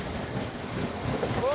うわ！